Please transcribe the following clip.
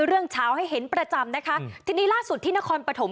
เช้าให้เห็นประจำนะคะทีนี้ล่าสุดที่นครปฐม